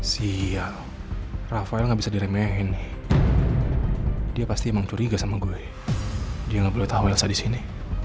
siap rafael bisa diremehin dia pasti mencuri sama gue dia nggak boleh tahu yang tadi sini